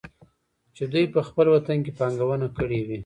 چې دوي په خپل وطن کې پانګونه کړى وى.